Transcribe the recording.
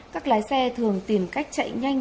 các lái xe thường tìm cách chạy nhanh